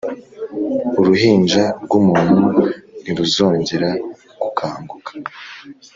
uruhinja rwumuntu ntiruzongera gukanguka.